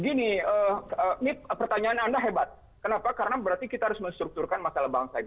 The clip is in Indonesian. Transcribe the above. gini ini pertanyaan anda hebat kenapa karena berarti kita harus menstrukturkan masalah bangsa ini